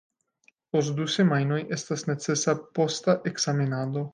Post du semajnoj estas necesa posta ekzamenado.